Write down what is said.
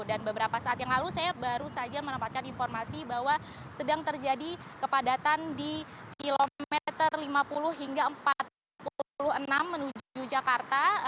dan beberapa saat yang lalu saya baru saja menempatkan informasi bahwa sedang terjadi kepadatan di kilometer lima puluh hingga empat puluh enam menuju jakarta